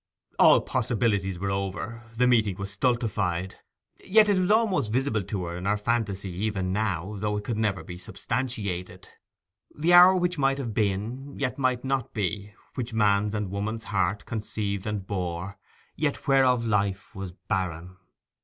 All possibilities were over; the meeting was stultified. Yet it was almost visible to her in her fantasy even now, though it could never be substantiated— 'The hour which might have been, yet might not be, Which man's and woman's heart conceived and bore, Yet whereof life was barren.